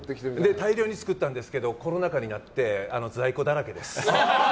大量に作ったんですけどコロナ禍になって在庫だらけです。